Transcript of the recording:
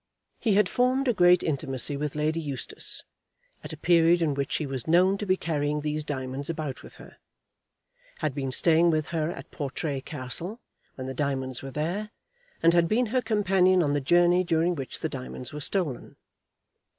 He had formed a great intimacy with Lady Eustace at a period in which she was known to be carrying these diamonds about with her, had been staying with her at Portray Castle when the diamonds were there, and had been her companion on the journey during which the diamonds were stolen.